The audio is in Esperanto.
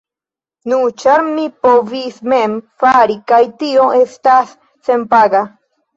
Nu, ĉar mi povis mem fari kaj tio estas senpaga.